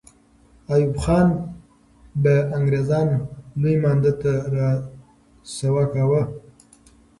ایوب خان به انګریزان لوی مانده ته را سوه کاوه.